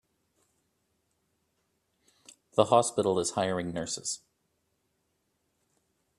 The hospital is hiring nurses.